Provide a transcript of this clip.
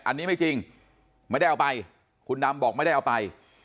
อันนี้ไม่จริงไม่ได้เอาไปคุณดำบอกไม่ได้เอาไป